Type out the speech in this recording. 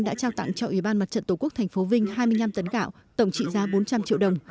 đã trao tặng cho ủy ban mặt trận tổ quốc tp vinh hai mươi năm tấn gạo tổng trị giá bốn trăm linh triệu đồng